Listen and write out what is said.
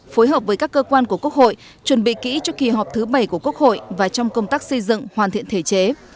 phối hợp với các cơ quan của quốc hội chuẩn bị kỹ cho kỳ họp thứ bảy của quốc hội và trong công tác xây dựng hoàn thiện thể chế